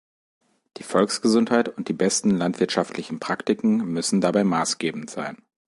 Die Volksgesundheit und die besten landwirtschaftlichen Praktiken müssen dabei maßgebend sein.